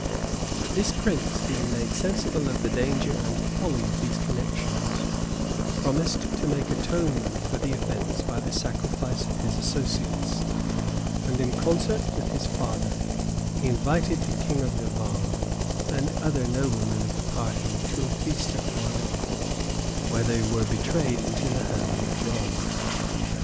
But this prince, being made sensible of the danger and folly of these connections, promised to make atonement for the offence by the sacrifice of his associates; and in concert with his father, he invited the king of Navarre, and other noblemen of the party, to a feast at Rouen, where they were betrayed into the hands of John.